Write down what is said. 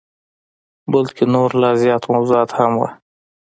بلکه نور لا زیات موضوعات هم وه.